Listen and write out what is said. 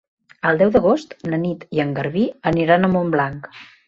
El deu d'agost na Nit i en Garbí aniran a Montblanc.